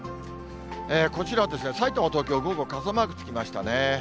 こちらは埼玉、東京は午後傘マークがつきましたね。